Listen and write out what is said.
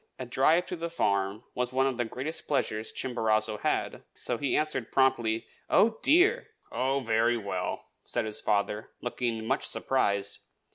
A drive to the farm was one of the greatest pleasures Chimborazo had, so he answered promptly, "Oh, dear!" "Oh, very well!" said his father, looking much surprised.